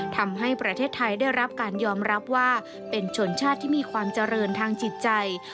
ทำให้ประเทศไทยได้รับการยอมรับว่าเป็นชนชาติที่มีความเจริญทางจิตใจ